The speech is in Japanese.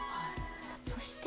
そして。